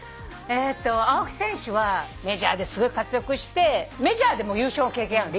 青木選手はメジャーですごい活躍してメジャーでも優勝の経験あるの。